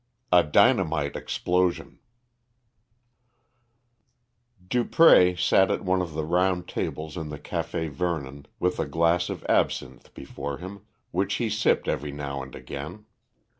A DYNAMITE EXPLOSION Dupré sat at one of the round tables in the Café Vernon, with a glass of absinthe before him, which he sipped every now and again.